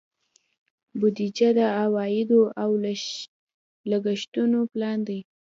بودیجه د عوایدو او لګښتونو پلان دی.